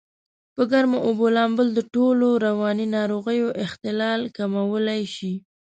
په ګرمو اوبو لامبل دټولو رواني ناروغیو اختلال کمولای شي.